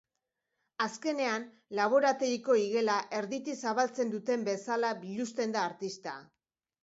Azkenean, laborategiko igela erditik zabaltzen duten bezala biluzten da artista.